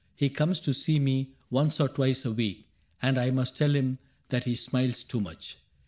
He comes to see me once or twice a week. And I must tell him that he smiles too much.